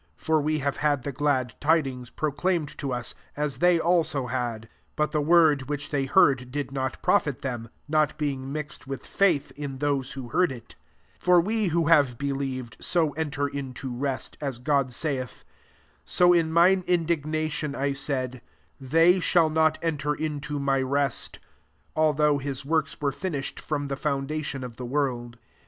2 For we have had ftie glad tidings proclaimed to iw, as they also had; but the irord which they heard did not ^fit them, not being mixed Irith faith in those who heard it» 3 For we who have believed io enter into rest, as God saith ; |t So in mine indignation I said, ' They shall not enter into my rest :'" although hia works Irere finished from the founda tion of the world.